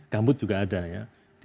gambut juga ada ya